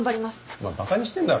お前馬鹿にしてるだろ。